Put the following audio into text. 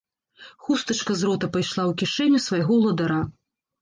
Хустачка з рота пайшла ў кішэню свайго ўладара.